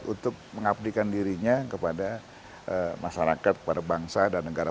untuk mengabdikan dirinya kepada masyarakat kepada bangsa dan negara